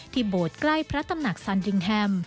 ที่โบดใกล้พระตำหนักสันติงแฮม